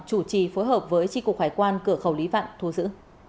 chủ trì phối hợp với tri cục hải quan cửa khẩu lý vạn thu giữ